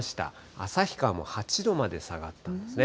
旭川も８度まで下がったんですね。